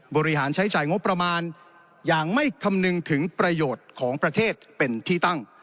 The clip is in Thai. บริหารใช้จ่ายงบประมาณอย่างไม่คำนึงถึงประโยชน์ของประเทศเป็นที่ตั้ง